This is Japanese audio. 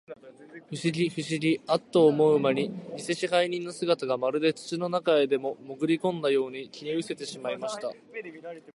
ふしぎ、ふしぎ、アッと思うまに、にせ支配人の姿が、まるで土の中へでも、もぐりこんだように、消えうせてしまいました。